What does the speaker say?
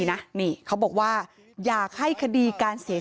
ชาวบ้านในพื้นที่บอกว่าปกติผู้ตายเขาก็อยู่กับสามีแล้วก็ลูกสองคนนะฮะ